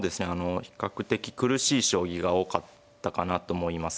比較的苦しい将棋が多かったかなと思います。